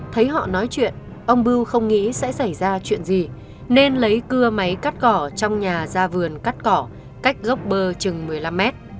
thấy họ nói chuyện ông bưu không nghĩ sẽ xảy ra chuyện gì nên lấy cưa máy cắt cỏ trong nhà ra vườn cắt cỏ cách gốc bơ chừng một mươi năm mét